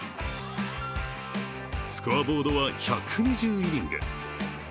スコアボードは１２０イニング。